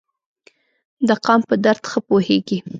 د قام په درد ښه پوهیږي.